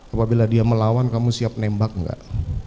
apabila dia melawan kamu siap nembak enggak